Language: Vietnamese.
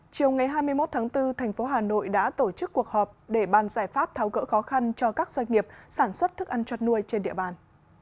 chiều ngày hai mươi một tháng bốn thành phố hà nội đã tổ chức cuộc họp để ban giải pháp tháo gỡ khó khăn cho các doanh nghiệp sản xuất thức ăn cho nuôi trên địa bàn